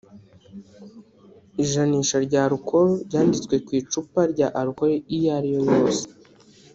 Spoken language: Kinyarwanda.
ijanisha rya alcool ryanditswe ku icupa rya alcool iyo ariyo yose